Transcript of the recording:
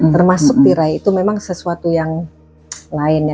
termasuk tirai itu memang sesuatu yang lainnya